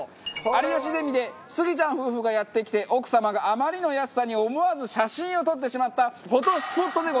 『有吉ゼミ』でスギちゃん夫婦がやって来て奥様があまりの安さに思わず写真を撮ってしまったフォトスポットでございます。